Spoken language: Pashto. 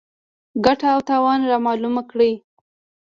ګټه او تاوان رامعلوم کړي.